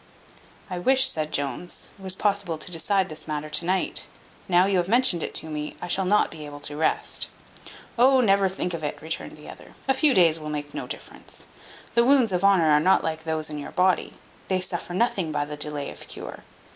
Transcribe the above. "I wish," said Jones, "it was possible to decide this matter to night: now you have mentioned it to me, I shall not be able to rest." "Oh, never think of it," returned the other: "a few days will make no difference. The wounds of honour are not like those in your body: they suffer nothing by the delay of cure.